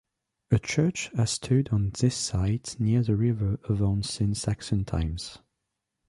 A church has stood on this site near the River Avon since Saxon times.